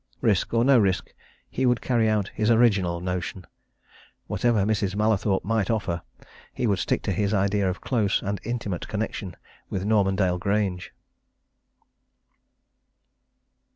Risk or no risk, he would carry out his original notion. Whatever Mrs. Mallathorpe might offer, he would stick to his idea of close and intimate connection with Normandale Grange.